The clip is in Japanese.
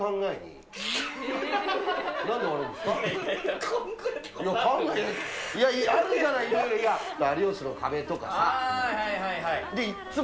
いやいや、あるじゃない、いろいろ。